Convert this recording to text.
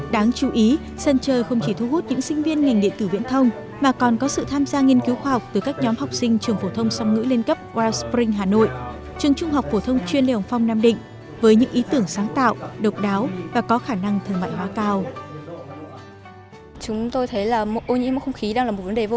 đáng chú ý sân chơi không chỉ thu hút những sinh viên ngành điện tử viễn thông mà còn có sự tham gia nghiên cứu khoa học từ các nhóm học sinh trường phổ thông song ngữ lên cấp wells spring hà nội trường trung học phổ thông chuyên liều phong nam định với những ý tưởng sáng tạo độc đáo và có khả năng thương mại hóa cao